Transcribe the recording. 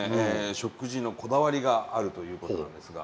食事のこだわりがあるということなのですが。